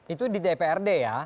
itu di dprd ya